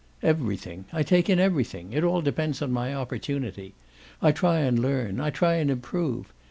"Everything! I take in everything. It all depends on my opportunity. I try and learn I try and improve.